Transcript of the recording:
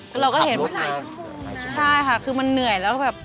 ก็เราก็เห็นว่าใช่ค่ะคือมันเหนื่อยแล้วก็แบบ